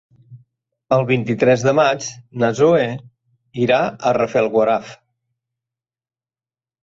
El vint-i-tres de maig na Zoè irà a Rafelguaraf.